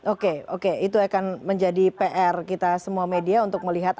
oke oke itu akan menjadi pr kita semua media untuk melihat